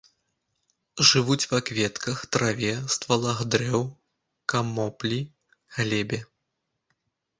Жывуць ва кветках, траве, ствалах дрэў, камоплі, глебе.